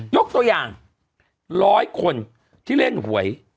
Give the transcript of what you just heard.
ยกตัวอย่าง๑๐๐คนที่เล่นหวย